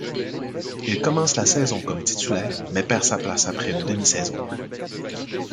Il commence la saison comme titulaire, mais perd sa place après une demi-saison.